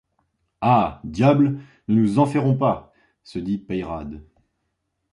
Ah ! diable ! ne nous enferrons pas ! se dit Peyrade.